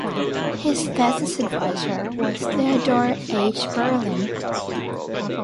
His thesis advisor was Theodore H. Berlin.